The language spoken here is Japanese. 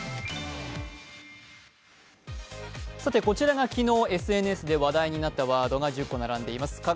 こちらが昨日、ＳＮＳで話題になったワードが１０個並んでいます。